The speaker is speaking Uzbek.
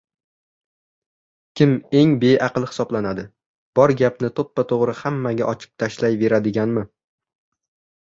Kim eng beaql hisoblanadi: bor gapni to‘ppa-to‘g‘ri hammaga ochib tashlayveradiganmi